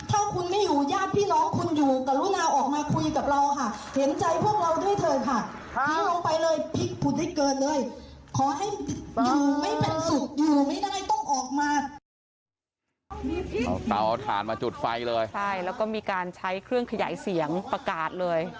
เอาถ่านมาจุดไฟเลยใช่แล้วก็มีการใช้เครื่องขยายเสียงประกาศเลย